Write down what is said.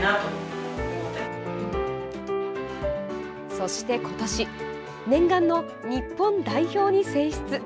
そして、今年念願の日本代表に選出。